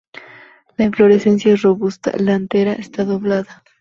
La inflorescencia es robusta, la antera está doblada.